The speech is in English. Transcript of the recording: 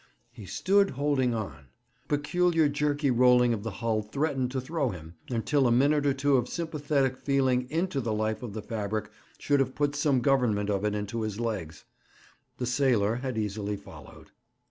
He stood holding on. The peculiar jerky rolling of the hull threatened to throw him, until a minute or two of sympathetic feeling into the life of the fabric should have put some government of it into his legs. The sailor had easily followed.